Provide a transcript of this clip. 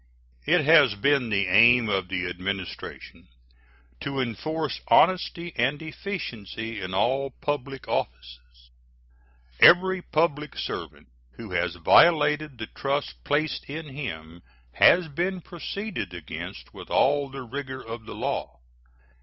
It has been the aim of the Administration to enforce honesty and efficiency in all public offices. Every public servant who has violated the trust placed in him has been proceeded against with all the rigor of the law.